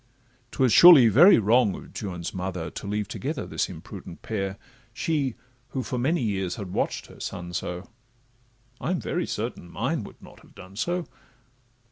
'Twas surely very wrong in Juan's mother To leave together this imprudent pair, She who for many years had watch'd her son so— I'm very certain mine would not have done so.